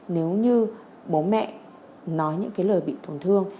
nếu như bố mẹ nói những cái lời bị tổn thương